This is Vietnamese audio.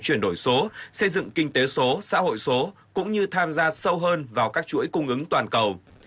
chuyển đổi số xây dựng kinh tế số xã hội số cũng như tham gia sâu hơn vào các chuỗi cung ứng toàn cầu